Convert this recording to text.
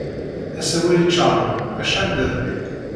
Asawal ičernen acḥal d abrid.